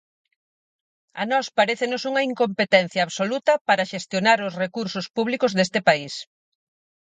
A nós parécenos unha incompetencia absoluta para xestionar os recursos públicos deste país.